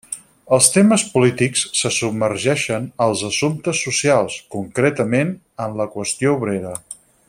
Els temes polítics se submergeixen als assumptes socials, concretament en la qüestió obrera.